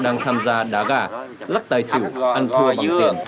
đang tham gia đá gà lắc tài xỉu ăn thua bằng tiền